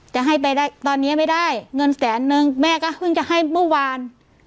จะให้ไปได้ตอนนี้ไม่ได้เงินแสนนึงแม่ก็เพิ่งจะให้เมื่อวาน